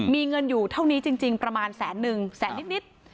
มีเงินอยู่เท่านี้จริงประมาณแสนนึงแสนนิด